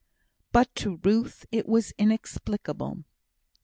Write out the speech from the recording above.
But to Ruth it was inexplicable.